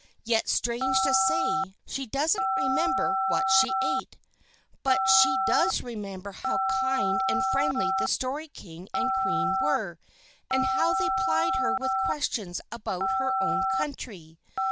Yet, strange to say, she doesn't remember what she ate. But she does remember how kind and friendly the Story King and Queen were, and how they plied her with questions about her own country.